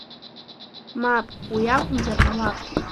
Мап, уи иакәымзар ҟалап.